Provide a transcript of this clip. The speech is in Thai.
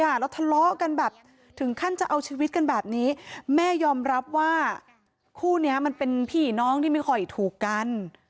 แล้วทะเลาะกันแบบถึงขั้นจะเอาชีวิตกันแบบนี้แม่ยอมรับว่าคู่เนี้ยมันเป็นพี่น้องที่ไม่ค่อยถูกกัน